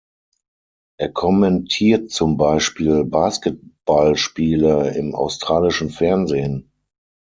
Er kommentiert zum Beispiel Basketballspiele im australischen Fernsehen.